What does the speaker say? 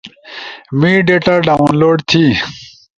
می ڈیٹا ڈاونلوڈ تھی